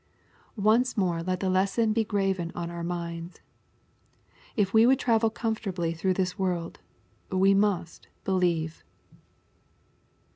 Once more let the lesson be graven on our minds. If we would travel comfortably through this world, we must " believe."